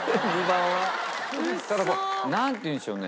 ウソ。なんていうんでしょうね。